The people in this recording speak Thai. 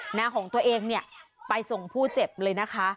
หน้าของตัวเองเนี่ยไปส่งผู้เจ็บเลยนะคะ